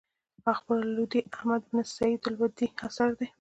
اخبار اللودي احمد بن سعيد الودي اثر دﺉ.